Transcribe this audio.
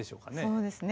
そうですよね。